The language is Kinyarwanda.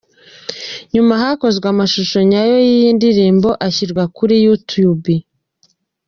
Nyuma hakozwe amashusho nyayo y’iyi ndirimbo ashyirwa kuri Youtube.